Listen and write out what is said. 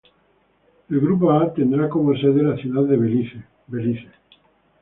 El grupo A tendrá como sede la Ciudad de Belice, Belice.